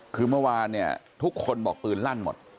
คือเมื่อวานเนี่ยทุกคนบอกปืนลั่นหมด